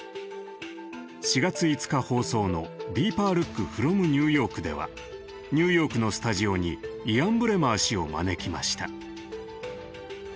４月５日放送の「ＤＥＥＰＥＲＬＯＯＫｆｒｏｍＮｅｗＹｏｒｋ」ではニューヨークのスタジオにイアン・ブレマー氏を招きました。